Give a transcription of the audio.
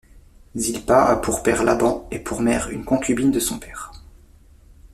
Zilpa a pour père Laban et pour mère une concubine de son père.